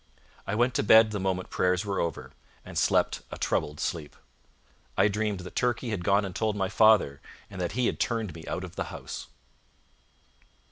I went to bed the moment prayers were over, and slept a troubled sleep. I dreamed that Turkey had gone and told my father, and that he had turned me out of the house.